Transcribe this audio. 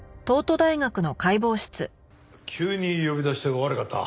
急に呼び出して悪かった。